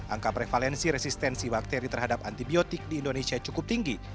angka prevalensi resistensi bakteri terhadap antibiotik di indonesia cukup tinggi